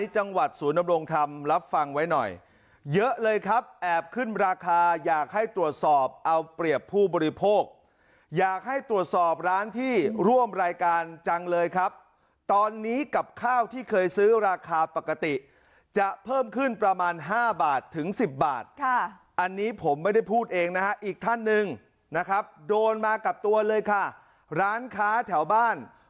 จังหวัดศูนย์นำรงธรรมรับฟังไว้หน่อยเยอะเลยครับแอบขึ้นราคาอยากให้ตรวจสอบเอาเปรียบผู้บริโภคอยากให้ตรวจสอบร้านที่ร่วมรายการจังเลยครับตอนนี้กับข้าวที่เคยซื้อราคาปกติจะเพิ่มขึ้นประมาณ๕บาทถึง๑๐บาทอันนี้ผมไม่ได้พูดเองนะฮะอีกท่านหนึ่งนะครับโดนมากับตัวเลยค่ะร้านค้าแถวบ้าน